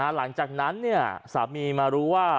หลังจากนั้นสามีมารู้ว่า